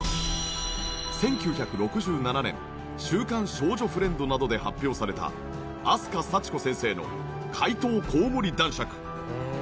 １９６７年『週刊少女フレンド』などで発表された飛鳥幸子先生の『怪盗こうもり男爵』。